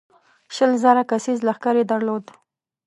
شل زره کسیز لښکر یې درلود.